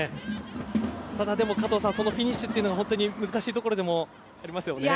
ただ、加藤さんそのフィニッシュというのが本当に難しいところでもありますよね。